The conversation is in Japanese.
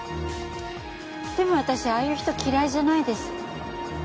でも私ああいう人嫌いじゃないです。